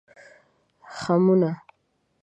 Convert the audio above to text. خمونه